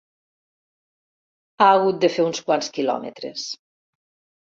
Ha hagut de fer uns quants quilòmetres.